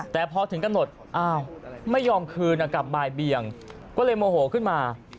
แต่พอถึงกำหนดอ้าวไม่ยอมคืนกลับบ่ายเบียงก็เลยโมโหขึ้นมา